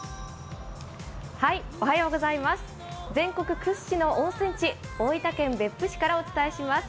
全国屈指の温泉地大分県別府市からお伝えします。